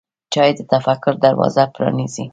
چای د تفکر دروازه پرانیزي.